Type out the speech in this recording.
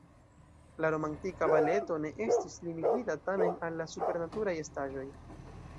La romantika baleto ne estis limigita, tamen, al la supernaturaj estaĵoj.